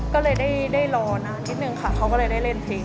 ไม่ได้รอนางลิดนึงค่ะเขาก็เลยได้เรียนเพลง